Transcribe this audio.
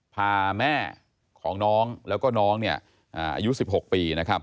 พาแม่ของน้องแล้วก็น้องอายุ๑๖ปีนะครับ